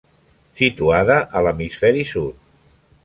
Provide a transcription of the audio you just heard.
Situada a l'hemisferi sud.